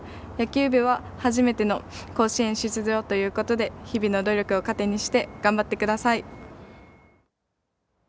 野球部は初めての甲子園出場ということで日々の努力を糧にして頑張ってください。